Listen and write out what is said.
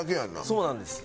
そうなんです。